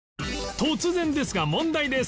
突然ですが問題です